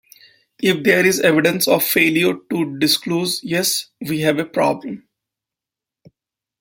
If there is evidence of failure to disclose, yes, we have a problem.